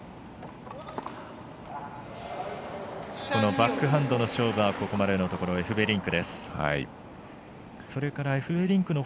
バックハンドの勝負はここまでのところエフベリンクです。